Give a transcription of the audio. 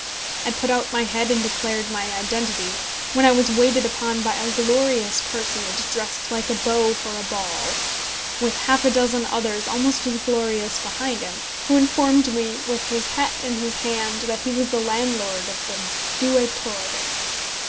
I put out my head and declared my identity, when I was waited upon by a glorious personage dressed like a beau for a ball, with half a dozen others almost as glorious behind him, who informed me, with his hat in his hand, that he was the landlord of the "Due Torre."